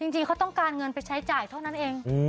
จริงเขาต้องการเงินไปใช้จ่ายเท่านั้นเอง